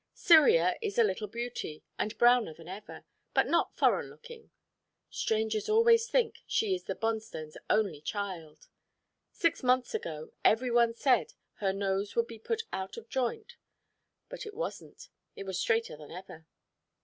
Cyria is a little beauty, and browner than ever, but not foreign looking. Strangers always think she is the Bonstones' own child. Six months ago, every one said her nose would be put out of joint but it wasn't. It is straighter than ever.